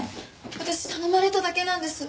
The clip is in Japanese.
私頼まれただけなんです。